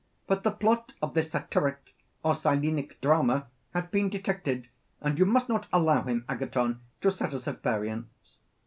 But the plot of this Satyric or Silenic drama has been detected, and you must not allow him, Agathon, to set us at variance.